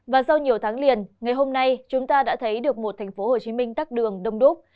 và sau nhiều tháng liền ngày hôm nay chúng ta đã thấy được một tp hcm tắt đường đông đúc